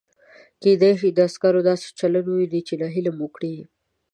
کېدای شي د عسکرو داسې چلند ووینئ چې نهیلي مو کړي.